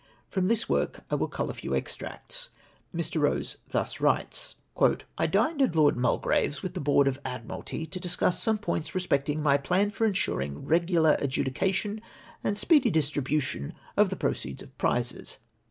From this work I will cull a few extracts. Mr. Rose thus writes: —" I dined at Lord Mulgrave's with the Board of Admiralty, to discuss some points respecting my plan for ensuring rerjular adjudication and speedy distribution of the proceeds of prizes.